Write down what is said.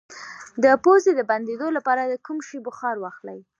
د پوزې د بندیدو لپاره د کوم شي بخار واخلئ؟